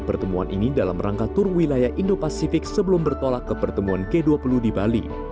pertemuan ini dalam rangka tur wilayah indo pasifik sebelum bertolak ke pertemuan g dua puluh di bali